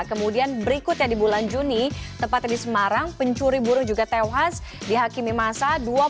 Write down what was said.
kemudian berikutnya di bulan juni tepatnya di semarang pencuri buruh juga tewas di hakimi masa